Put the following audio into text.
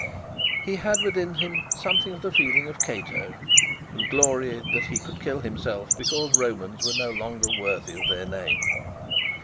He had within him something of the feeling of Cato, who gloried that he could kill himself because Romans were no longer worthy of their name.